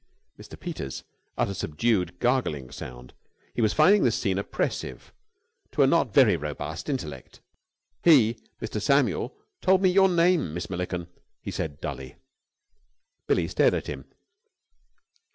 Mr. Peters uttered a subdued gargling sound. He was finding this scene oppressive to a not very robust intellect. "He Mr. Samuel told me your name, Miss Milliken," he said dully. Billie stared at him.